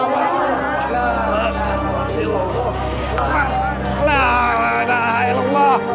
saya ambil dulu gerobaknya pak ustadz